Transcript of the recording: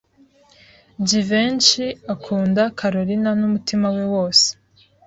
Jivency akunda Kalorina n'umutima we wose.